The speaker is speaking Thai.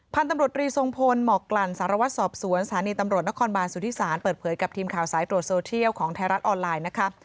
พันธุ์ตำรวจรีทรงพลหมอกกลั่นสารวัตรสอบสวนสถานีตำรวจนครบานสุธิศาลเปิดเผยกับทีมข่าวสายตรวจโซเทียลของไทยรัฐออนไลน์นะคะ